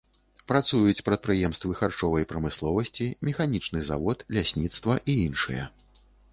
Працуюць прадпрыемствы харчовай прамысловасці, механічны завод, лясніцтва і іншыя.